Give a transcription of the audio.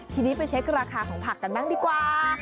ทีนี้ไปเช็คราคาของผักกันบ้างดีกว่า